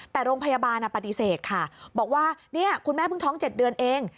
แต่โรงพยาบาลปฏิเสธค่ะบอกว่าเนี่ยคุณแม่เพิ่งท้อง๗เดือนเอง